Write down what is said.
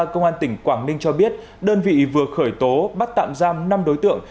công an tỉnh quảng ninh cho biết đơn vị vừa khởi tố bắt tạm giam năm đối tượng